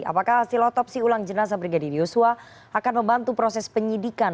apakah hasil otopsi ulang jenazah brigadir yosua akan membantu proses penyidikan